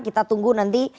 kita tunggu nanti